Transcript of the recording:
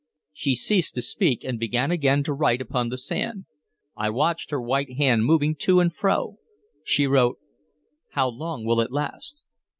She ceased to speak, and began again to write upon the sand. I watched her white hand moving to and fro. She wrote, "How long will it last?"